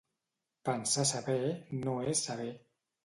Pensar saber no és saber.